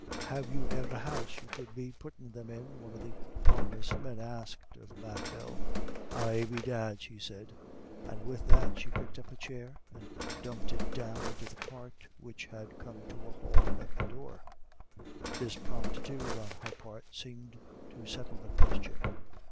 "Have you e'er a house you could be puttin' them in?" one of the harvestmen asked of Mad Bell. "Ay, bedad," she said. And with that she picked up a chair, and dumped it down into the cart, which had come to a halt at the door. This promptitude on her part seemed to settle the question.